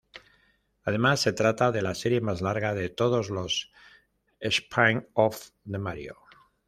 Además se trata de la serie más larga de todos los spin-off de Mario.